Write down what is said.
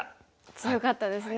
強かったですね。